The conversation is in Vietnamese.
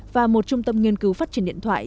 và một trung tâm nghiên cứu phát triển điện thoại